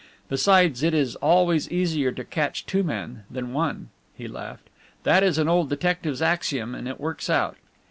Besides, it is always easier to catch two men than one," he laughed. "That is an old detective's axiom and it works out."